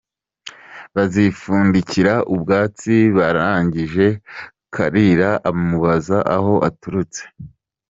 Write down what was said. Bazipfundikira ubwatsi, barangije, Kalira amubaza aho aturutse.